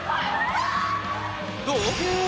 どう？